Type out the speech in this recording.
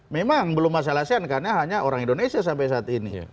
memang belum masalah asean karena hanya orang indonesia sampai saat ini